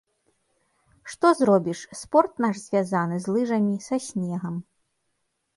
Што зробіш, спорт наш звязаны з лыжамі, са снегам.